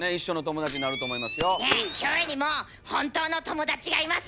キョエにも本当の友達がいます。